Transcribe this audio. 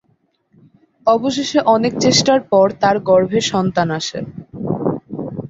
অবশেষে অনেক চেষ্টার পর তার গর্ভে সন্তান আসে।